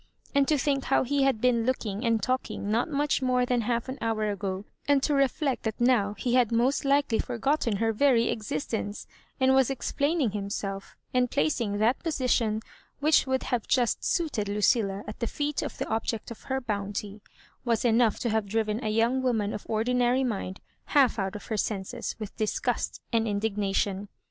And to think how he had been looking and talking not much more than half an hour ago, aud to reflect that now he had roost likely forgotten her very existence, and was explaining himself, and plac ing that position which would have just suited Lucilla at the leet of the object of her bounty, was enough to have driven a young woman of ordinary mind half out of her senses with disgust and indignation.